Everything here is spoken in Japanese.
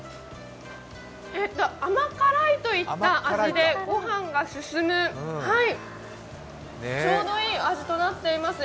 甘辛いといった味で、ご飯が進む、ちょうどいい味となっています。